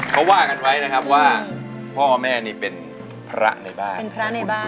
เขาว่ากันไว้นะครับว่าพ่อแม่นี่เป็นพระในบ้าน